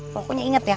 pokoknya inget ya